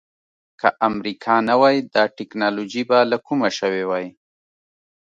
که امریکا نه وای دا ټکنالوجي به له کومه شوې وای.